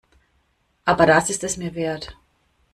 Aber das ist es mir wert.